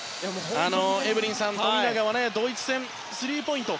エブリンさん、富永はドイツ戦でスリーポイント